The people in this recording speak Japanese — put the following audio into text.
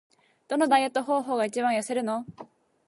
どのダイエット方法が一番痩せるの？